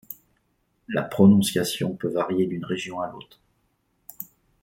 La prononciation peut varier d'une région à l'autre.